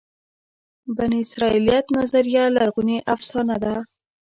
بني اسرائیلیت نظریه لرغونې افسانه ده.